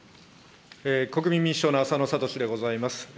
国民民主党の浅野哲でございます。